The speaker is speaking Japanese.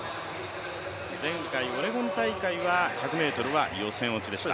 前回オレゴン大会は１００ｍは予選落ちでした。